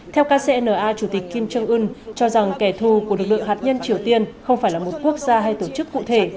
theo kcna chủ tịch kim trương ưn cho rằng kẻ thù của lực lượng hạt nhân triều tiên không phải là một quốc gia hay tổ chức cụ thể